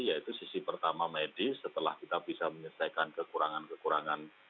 yaitu sisi pertama medis setelah kita bisa menyelesaikan kekurangan kekurangan